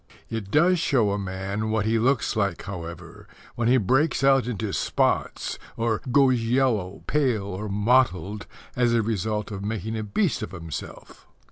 It does show a man what he looks like, however, when he breaks out into spots or goes yellow, pale, or mottled as a result of making a beast of himself.